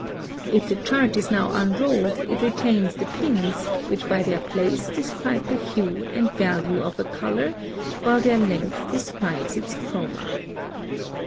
If the chart is now unrolled, it retains the pins, which by their place describe the hue and value of a color, while their length describes its chroma.